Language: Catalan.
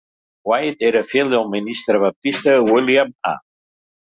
White era fill del ministre baptista William A.